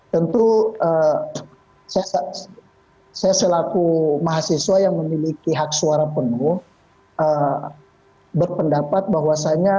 tentu saya selaku mahasiswa yang memiliki hak suara penuh berpendapat bahwasannya